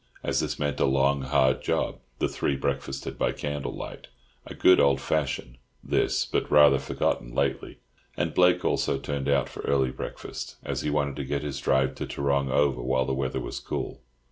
As this meant a long, hard job, the three breakfasted by candlelight—a good old fashion, this, but rather forgotten lately—and Blake also turned out for early breakfast, as he wanted to get his drive to Tarrong over while the weather was cool.